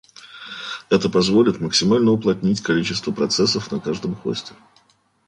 Это позволит максимально уплотнить количество процессов на каждом хосте